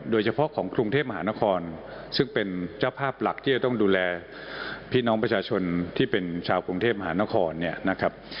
โดยเฉพาะของกรุงเทพมหานครซึ่งเป็นเจ้าภาพหลักที่จะต้องดูแลพี่น้องประชาชนที่เป็นชาวกรุงเทพมหานครเนี่ยนะครับ